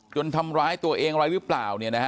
ทำร้ายตัวเองอะไรหรือเปล่า